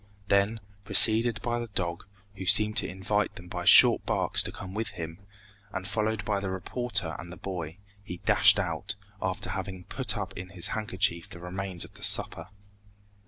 Then, preceded by the dog, who seemed to invite them by short barks to come with him, and followed by the reporter and the boy, he dashed out, after having put up in his handkerchief the remains of the supper.